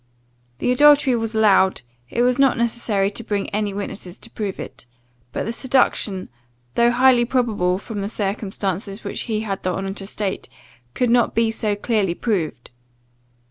The adultery was allowed, it was not necessary to bring any witnesses to prove it; but the seduction, though highly probable from the circumstances which he had the honour to state, could not be so clearly proved.